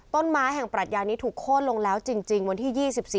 ต้นไม้แห่งปรัชญานี้ถูกโค้นลงแล้วจริงวันที่๒๔